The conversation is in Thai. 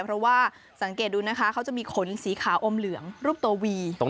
เพราะว่าสังเกตดูนะคะเขาจะมีขนสีขาวอมเหลืองรูปโตวี